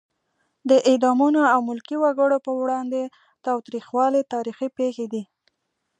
د اعدامونو او ملکي وګړو پر وړاندې تاوتریخوالی تاریخي پېښې دي.